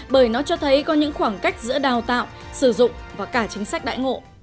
bởi nó cho thấy có những khoảng cách giữa đào tạo sử dụng và cả chính sách đại ngộ